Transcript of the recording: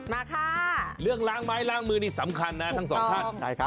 มาค่ะเรื่องล้างไม้ล้างมือนี่สำคัญนะทั้งสองท่าน